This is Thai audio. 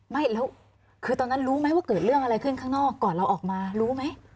ไม่แล้วคือตอนนั้นรู้ไหมว่าเกิดเรื่องอะไรขึ้นข้างนอกก่อนเราออกมารู้ไหม